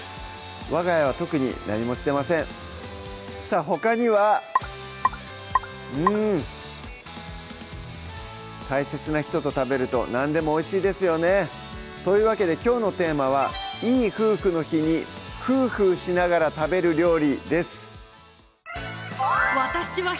わが家は特に何もしてませんさぁほかにはうん大切な人と食べると何でもおいしいですよねというわけできょうのテーマは「いい夫婦の日にフーフーしながら食べる料理」です